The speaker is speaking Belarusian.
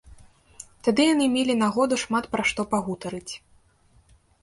Тады яны мелі нагоду шмат пра што пагутарыць.